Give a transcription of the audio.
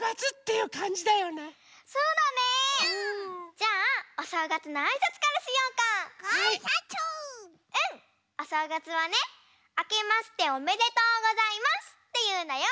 うん！おしょうがつはね「あけましておめでとうございます」っていうんだよ。